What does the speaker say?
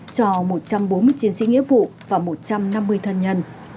cho một trăm bốn mươi chiến sĩ nghĩa vụ và một trăm năm mươi thân nhân